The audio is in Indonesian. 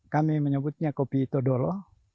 kami menyebutnya kopi todolo